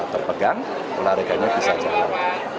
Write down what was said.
terpegang pelarikannya bisa jalan